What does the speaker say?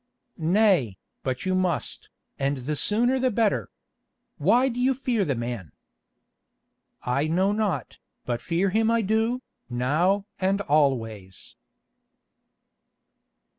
"Nay, but you must, and the sooner the better. Why do you fear the man?" "I know not, but fear him I do, now and always."